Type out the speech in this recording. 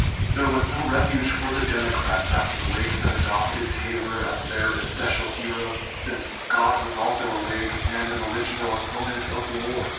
There was no refuge for the Democrats after the Whigs had adopted Taylor as their especial hero, since Scott was also a Whig and an original opponent of the war.